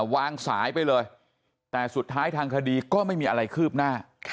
วางสายไปเลยแต่สุดท้ายทางคดีก็ไม่มีอะไรคืบหน้า